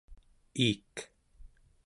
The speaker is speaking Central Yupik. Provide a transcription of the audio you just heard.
iik